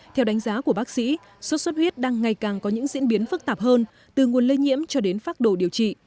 theo đánh giá của bác sĩ sốt xuất huyết đang ngày càng có những diễn biến phức tạp hơn từ nguồn lây nhiễm cho đến phác đồ điều trị